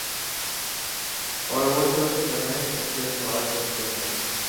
اوروہ جب چاہیں اسے پھاڑ سکتے ہیں۔